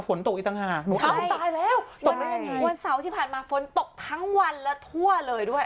วันเส้าที่ผ่านมาฝนตกทั้งวันและทั่วเลยด้วย